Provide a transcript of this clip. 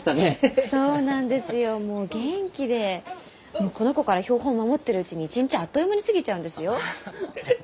もうこの子から標本を守ってるうちに一日あっという間に過ぎちゃうんですよ。